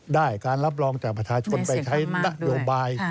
ได้การรับรองจากประชาชนไปใช้นโยบาย